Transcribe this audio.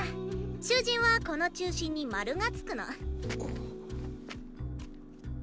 囚人はこの中心にマルがつくの。